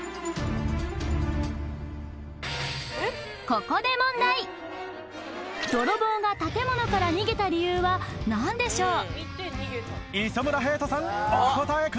ここで問題泥棒が建物から逃げた理由は何でしょう？